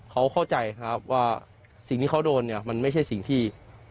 เขาเข้าใจครับว่าสิ่งที่เขาโดนเนี่ยมันไม่ใช่สิ่งที่